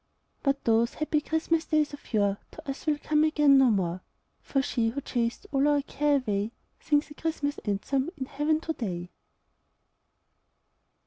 But those happy Christmas days of yore To us will come again no more; For she who chased all our care away Sings a Christmas anthem in heaven to day.